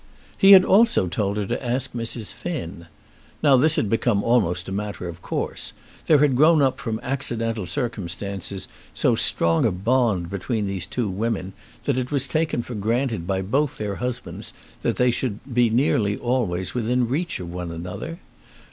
He had also told her to ask Mrs. Finn. Now this had become almost a matter of course. There had grown up from accidental circumstances so strong a bond between these two women, that it was taken for granted by both their husbands that they should be nearly always within reach of one another.